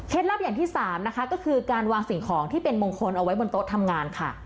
ลับอย่างที่สามนะคะก็คือการวางสิ่งของที่เป็นมงคลเอาไว้บนโต๊ะทำงานค่ะ